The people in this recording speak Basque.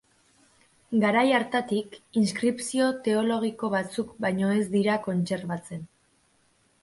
Garai hartatik, inskripzio teologiko batzuk baino ez dira kontserbatzen.